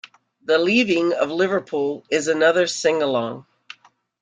"The Leaving of Liverpool" is another sing-along.